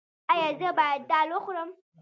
ایا زه باید دال وخورم؟